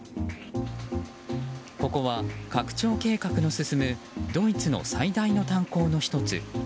ここは拡張計画の進むドイツの最大の炭鉱の１つ。